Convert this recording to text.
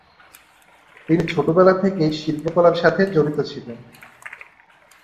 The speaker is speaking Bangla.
তিনি ছোটবেলা থেকেই শিল্পকলার সাথে জড়িত ছিলেন।